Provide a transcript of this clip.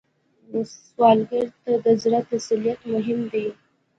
سوالګر ته د زړه تسلیت مهم دی